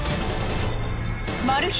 マル秘